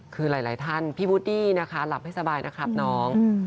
คือหลายท่านพี่วูดดี้นะคะหลับให้สบายนะครับน้อง